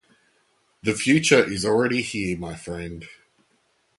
The future is already here, my friend.